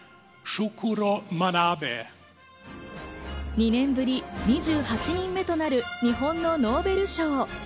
２年ぶり２８人目となる日本のノーベル賞。